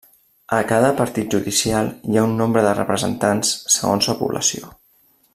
A cada partit judicial hi ha un nombre de representants, segons la població.